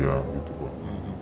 ya gitu pak